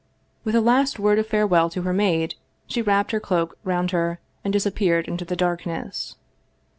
With a last word of farewell to her maid, she wrapped her cloak round her and disappeared into the darkness.